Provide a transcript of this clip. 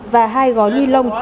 và hai gói ni lông